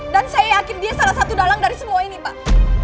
dan saya yakin dia salah satu dalang dari semua ini pak